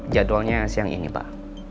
jadwalnya siang ini pak